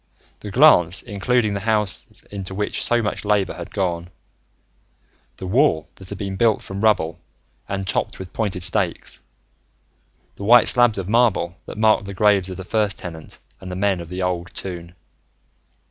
the glance including the houses into which so much labor had gone, the wall that had been built from rubble and topped with pointed stakes, the white slabs of marble that marked the graves of the First Tenant and the men of the Old Toon....